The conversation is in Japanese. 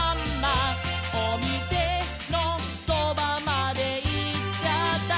「おみせのそばまでいっちゃった」